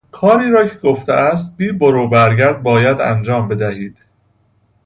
کاری را که گفته است بی برو برگرد باید انجام بدهید.